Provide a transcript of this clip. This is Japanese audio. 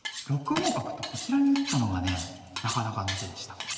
６五角とこちらに打ったのがねなかなかの手でした。